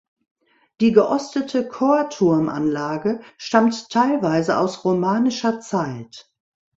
Die geostete Chorturmanlage stammt teilweise aus romanischer Zeit.